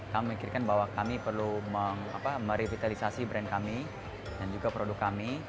kami memikirkan bahwa kami perlu merevitalisasi brand kami dan juga produk kami